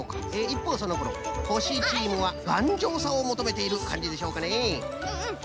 いっぽうそのころほしチームはがんじょうさをもとめているかんじでしょうかね。